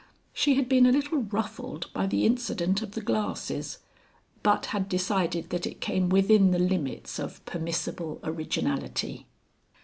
She had been a little ruffled by the incident of the glasses, but had decided that it came within the limits of permissible originality.